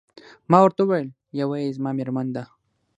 ما ورته وویل: یوه يې زما میرمن ده.